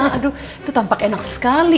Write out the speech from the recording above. aduh itu tampak enak sekali